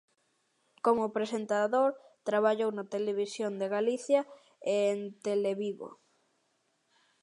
Como presentador, traballou na Televisión de Galicia e en Televigo.